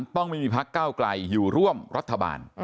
ต้องไม่มีพักเก้าไกลอยู่ร่วมรัฐบาล